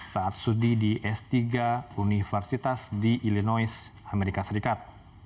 saat studi di s tiga universitas di illinois amerika serikat